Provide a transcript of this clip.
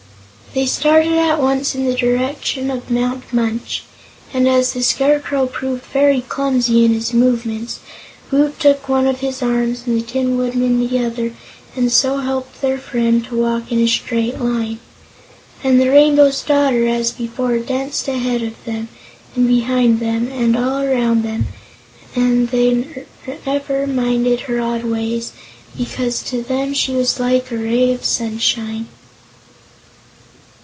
They started at once in the direction of Mount Munch, and as the Scarecrow proved very clumsy in his movements, Woot took one of his arms and the Tin Woodman the other and so helped their friend to walk in a straight line. And the Rainbow's Daughter, as before, danced ahead of them and behind them and all around them, and they never minded her odd ways, because to them she was like a ray of sunshine.